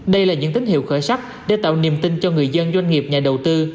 đây là những tín hiệu khởi sắc để tạo niềm tin cho người dân doanh nghiệp nhà đầu tư